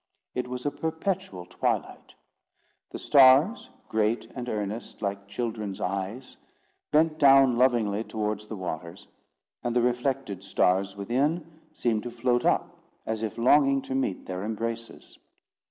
It was a perpetual twilight. The stars, great and earnest, like children's eyes, bent down lovingly towards the waters; and the reflected stars within seemed to float up, as if longing to meet their embraces.